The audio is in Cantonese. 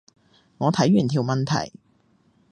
我睇完條問題